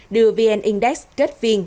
đưa vn index kết phiên